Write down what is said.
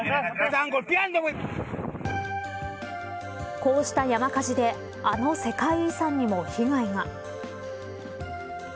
こうした山火事であの世界遺産にも被害が。